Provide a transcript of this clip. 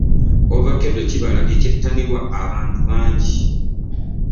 Ovakedo kibala ekyettanirwa abantu bangi.